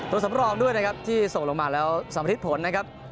สำรองด้วยนะครับที่ส่งลงมาแล้วสำริดผลนะครับ